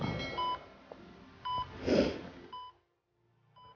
kamu sudah selesai